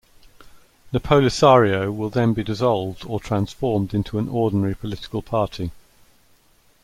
The Polisario will then be dissolved or transformed into an ordinary political party.